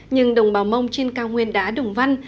nhưng đồng bào mông trên cao nguyên đá đồng văn